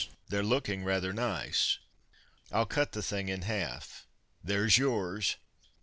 They're looking rather nice! I'll cut the thing in half. There's yours!